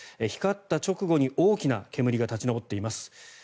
光った直後に大きな煙が立ち上っています。